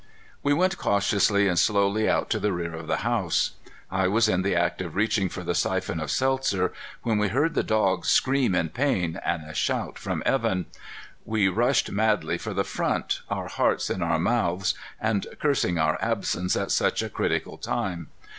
We went cautiously and slowly out to the rear of the house. I was in the act of reaching for the siphon of seltzer when we heard the dog scream in pain and a shout from Evan. We rushed madly for the front, our hearts in our mouths, and cursing our absence at such a critical time.